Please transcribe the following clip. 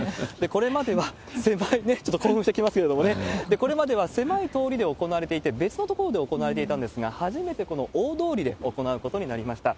これまでは、狭いね、ちょっと興奮してきますけれどもね、これまでは狭い通りで行われていて、別の所で行われていたんですが、初めてこの大通りで行うことになりました。